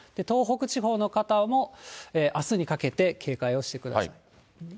東北地方の方もあすにかけて警戒をしてください。